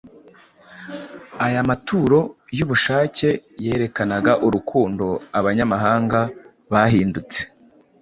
Aya maturo y’ubushake yerekanaga urukundo abanyamahanga bahindutse